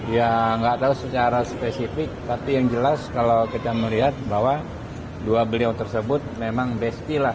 ya nggak tahu secara spesifik tapi yang jelas kalau kita melihat bahwa dua beliau tersebut memang besti lah